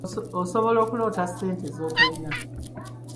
Osobola okuloota ssente z’otolina.